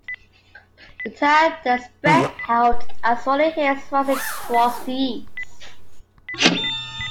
The town then spreads out as rolling hills rising towards the east.